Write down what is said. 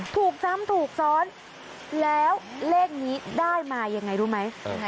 ถูกซ้ำถูกซ้อนแล้วเลขนี้ได้มายังไงรู้ไหม